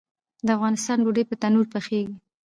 د افغانستان ډوډۍ په تندور پخیږي